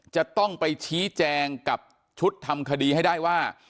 จะต้องไปชี้แจงกับชุดทำคดีให้ได้ว่า